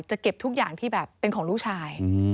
เก็บทุกอย่างที่แบบเป็นของลูกชาย